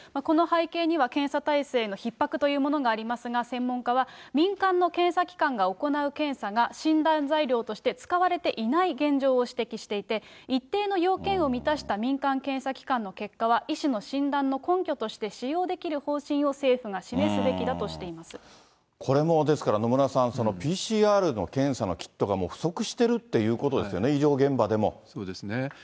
この背景には検査体制のひっ迫というものがありますが、専門家は、民間の検査機関が行う検査が診断材料として使われていない現状を指摘していて、一定の要件を満たした民間検査機関の結果は、医師の診断の根拠として使用できる方針を政府が示すべきだとしてこれも、ですから、野村さん、ＰＣＲの検査のキットがもう不足してるっていうことですよね、医そうですね。